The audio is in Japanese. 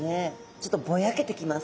ちょっとぼやけてきます。